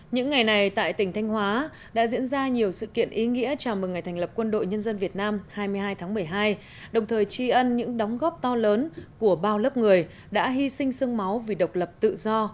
những ngày này tại tỉnh thanh hóa đã diễn ra nhiều sự kiện ý nghĩa chào mừng ngày thành lập quân đội nhân dân việt nam hai mươi hai tháng một mươi hai đồng thời tri ân những đóng góp to lớn của bao lớp người đã hy sinh sương máu vì độc lập tự do